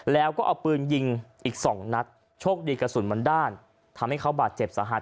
แล้วก็เอาปืนยิงอีกสองนัดโชคดีกระสุนมันด้านทำให้เขาบาดเจ็บสาหัส